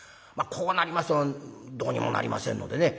こうなりますとどうにもなりませんのでね